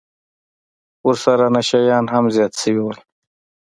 ورسره نشه يان هم زيات سوي وو.